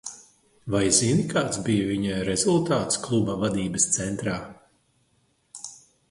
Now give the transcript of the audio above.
Vai zini, kāds bija viņa rezultāts kluba vadības centrā?